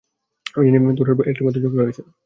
আমি জানি তোর আর এলটির মধ্যে ঝগড়া হয়েছিল।